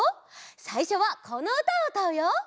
さいしょはこのうたをうたうよ！